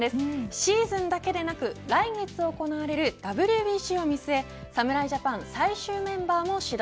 シーズンだけでなく来月行われるＷＢＣを見据え侍ジャパン最終メンバーも始動。